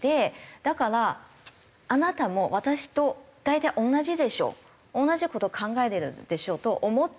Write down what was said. だからあなたも私と大体同じでしょ同じ事考えてるでしょと思って。